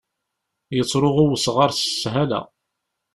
Yettṛuɣu wesɣaṛ s sshala.